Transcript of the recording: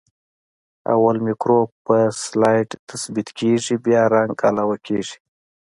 اول مکروب په سلایډ تثبیت کیږي بیا رنګ علاوه کیږي.